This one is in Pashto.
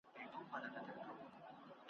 چیغي ته یې له سوات څخه تر سنده ,